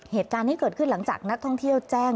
เหตุการณ์ที่เกิดขึ้นหลังจากนักท่องเที่ยวแจ้ง